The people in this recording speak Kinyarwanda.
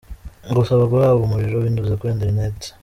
Gusaba guhabwa umuriro binyuze kuri internet.